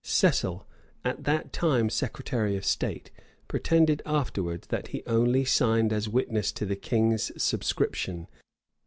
[*] Cecil, at that time secretary of state, pretended afterwards that he only signed as witness to the king's subscription.